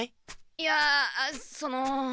いやその。